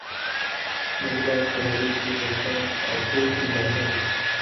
موږ باید په نړۍ کي د ساینس او پوهي ملاتړ وکړو.